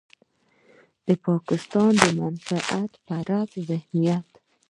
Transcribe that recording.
د پاکستان منفعت پرست ذهنيت.